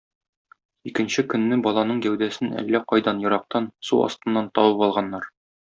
Икенче көнне баланың гәүдәсен әллә кайдан ерактан, су астыннан табып алганнар.